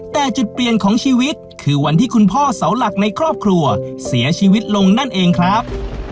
แต่จุดเปลี่ยนของชีวิตคือวันที่คุณพ่อเสาหลักในครอบครัวเสียชีวิตลงนั่นเองครับ